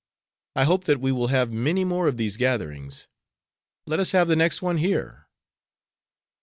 I hope that we will have many more of these gatherings. Let us have the next one here."